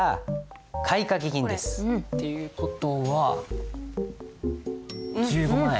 っていう事は１５万円。